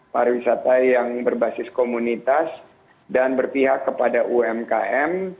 pariwisata yang berbasis komunitas dan berpihak kepada umkm